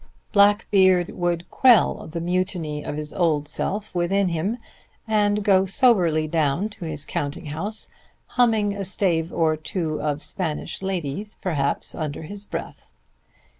Blackbeard would quell the mutiny of his old self within him and go soberly down to his counting house humming a stave or two of "Spanish Ladies," perhaps, under his breath.